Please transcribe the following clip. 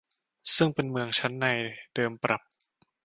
ซึ่งเป็นเมืองชั้นในเดิมปรับ